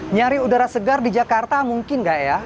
nyari udara segar di jakarta mungkin nggak ya